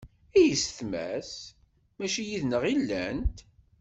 I yessetma-s? Mačči yid-neɣ i llant?